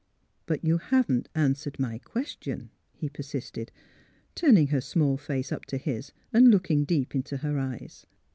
^' But you haven't answered my question," he persisted, turning her small face up to his and looking deep into her eyes.